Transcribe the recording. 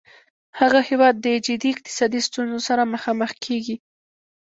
هغه هیواد د جدي اقتصادي ستونځو سره مخامخ کیږي